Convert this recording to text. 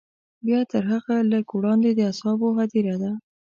بیا تر هغه لږ وړاندې د اصحابو هدیره ده.